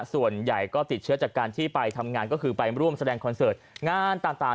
ส่วนใหญ่ก็ติดเชื้อจากการที่ไปทำงานก็คือไปร่วมแสดงคอนเสิร์ตงานต่าง